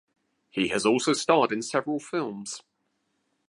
He has also starred in several films.